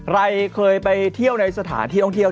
ใครเคยไปเที่ยวในสถานที่ท่องเที่ยว